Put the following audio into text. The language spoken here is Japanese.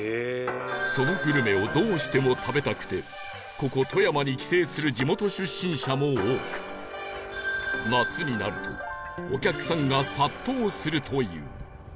そのグルメをどうしても食べたくてここ富山に帰省する地元出身者も多く夏になるとお客さんが殺到するという